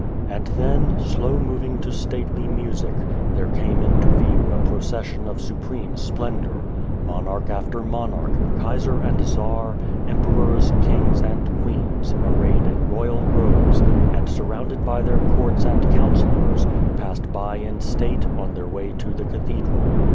And then, slow moving to stately music, there came into view a procession of supreme 180 and the Devil splendour. Monarch after monarch, Kaiser and Czar, Emperors, Kings, and Queens, arrayed in royal robes, and surrounded by their courts and counsellors, passed by in state, on their way to the cathedral.